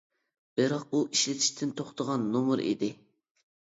بىراق، ئۇ ئىشلىتىشتىن توختىغان نومۇر ئىدى.